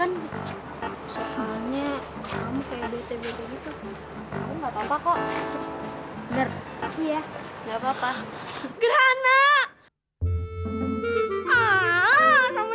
ejek pagi kamu gak bakal dipanggil aku gak papa kok ya enggak pa pa grana ah sama si kamu